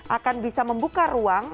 akan bisa membuka ruang